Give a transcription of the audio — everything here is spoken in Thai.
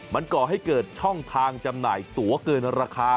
มันก่อให้เกิดช่องทางจำหน่ายตัวเกินราคา